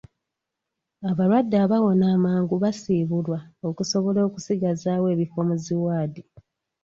Abalwadde abawona amangu basiibulwa okusobola okusigazaawo ebifo mu zi waadi.